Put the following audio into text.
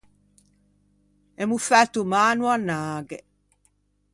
Emmo fæto mâ à no anâghe.